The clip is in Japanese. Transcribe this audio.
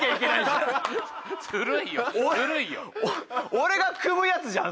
俺が汲むやつじゃん